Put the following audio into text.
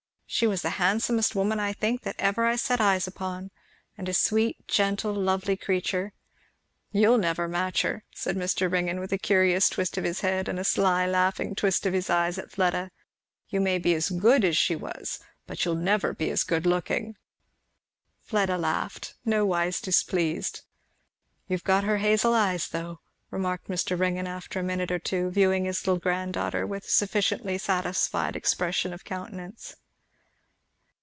She was the handsomest woman, I think, that ever I set eyes upon; and a sweet, gentle, lovely creature. You'll never match her," said Mr. Ringgan, with a curious twist of his head and sly laughing twist of his eyes at Fleda; "you may be as good as she was, but you'll never be as good looking." Fleda laughed, nowise displeased. "You've got her hazel eyes though," remarked Mr. Ringgan, after a minute or two, viewing his little granddaughter with a sufficiently satisfied expression of countenance.